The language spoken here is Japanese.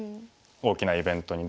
大きなイベントに。